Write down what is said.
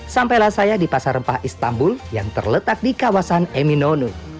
sampailah saya di pasar rempah istanbul yang terletak di kawasan eminonu